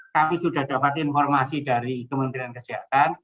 kami sudah dapat informasi dari kementerian kesehatan